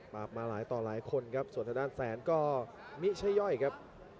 มาหลายต่อหลายคนครับส่วนทางด้านแสนก็มิชย่อยครับ